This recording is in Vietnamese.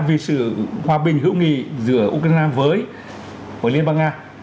vì sự hòa bình hữu nghị giữa ukraine với liên bang nga